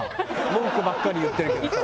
文句ばっかり言ってるけどさ。